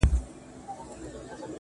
دا چي له کتاب سره ياري کوي،